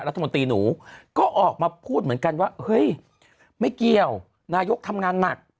รัฐมนตรีหนูก็ออกมาพูดเหมือนกันว่าเฮ้ยไม่เกี่ยวนายกทำงานหนัก